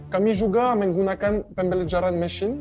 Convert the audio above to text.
kami juga menggunakan pembelajaran mesin